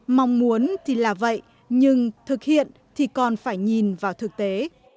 mong muốn thì là vậy nhưng thực hiện thì còn phải nhìn vào thực tế